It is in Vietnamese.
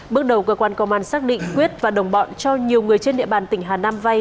bước đầu cơ quan công an xác định quyết và đồng bọn cho nhiều người trên địa bàn tỉnh hà nam vay